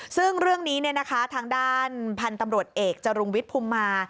ซึ่งเรื่องนี้ทางด้านพันธุ์ตำรวจเอกจรุงวิทย์ภูมิมา